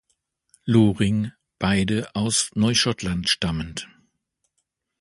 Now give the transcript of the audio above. Loring, beide aus Neuschottland stammend.